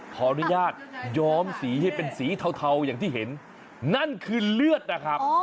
ขออนุญาตย้อมสีให้เป็นสีเทาอย่างที่เห็นนั่นคือเลือดนะครับ